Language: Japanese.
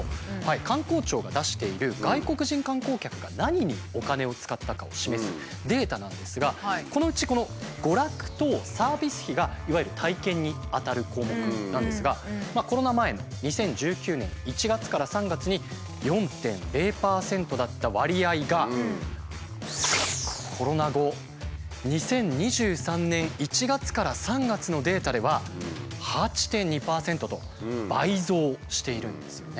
観光庁が出しているを示すデータなんですがこのうちこの娯楽等サービス費がいわゆる体験にあたる項目なんですがコロナ前の２０１９年１月から３月に４．０％だった割合がコロナ後２０２３年１月から３月のデータでは８．２％と倍増しているんですよね。